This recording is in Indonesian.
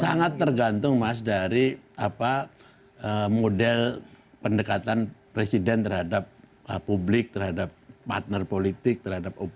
sangat tergantung mas dari model pendekatan presiden terhadap publik terhadap partner politik terhadap opini